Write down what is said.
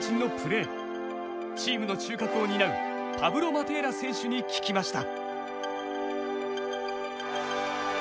チームの中核を担うパブロ・マテーラ選手に聞きました。